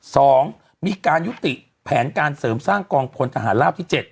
สองมีการยุติแผนการเสริมสร้างกองพลทหารราบที่เจ็ด